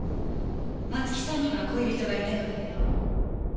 松木さんには恋人がいたようだけど。